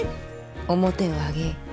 面を上げい。